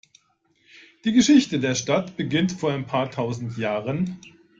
Die Geschichte der Stadt beginnt vor ein paar tausend Jahren.